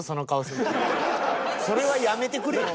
それはやめてくれよ。